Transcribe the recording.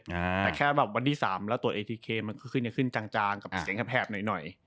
แต่แค่แบบวันที่สามแล้วตัวเอทีเคมันก็ขึ้นอย่างขึ้นจางจางกับเสียงความแพบหน่อยหน่อย